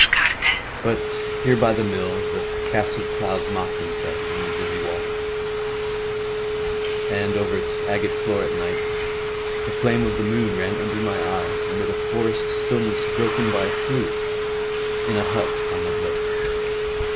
But here by the mill the castled clouds Mocked themselves in the dizzy water; And over its agate floor at night The flame of the moon ran under my eyes Amid a forest stillness broken By a flute in a hut on the hill.